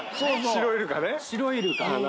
シロイルカね！